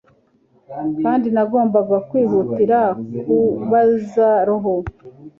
kandi nagombaga kwihutira kubaza roho